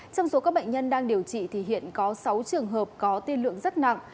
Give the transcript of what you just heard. trong số các bệnh nhân đang điều trị thì hiện có sáu trường hợp có tiên lượng rất nặng